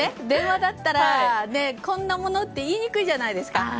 電話だったらこんなものって言いにくいじゃないですか。